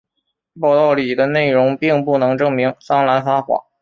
报道里的内容并不能证明桑兰撒谎。